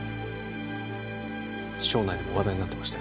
省内でも話題になってましたよ